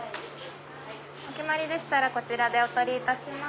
お決まりでしたらこちらでお取りいたします。